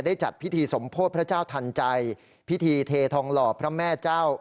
จัดพิธีสมโพธิพระเจ้าทันใจพิธีเททองหล่อพระแม่เจ้า